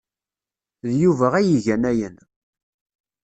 D Yuba ay igan ayen.